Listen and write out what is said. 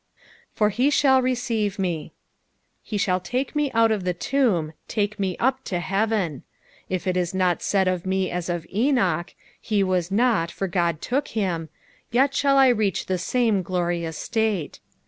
" For he thalt reeei»eme," He shall take me out of the tomb, take me up to heaven. If it is not said of me as of Enoch, " He was not, for God took him," yet shall I reach the same glorious state.